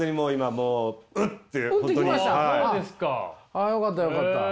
ああよかったよかった。